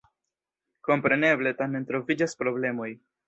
Kompreneble tamen troviĝas problemoj.